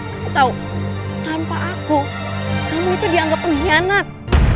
kamu tau tanpa aku kamu tuh dianggap pengkhianat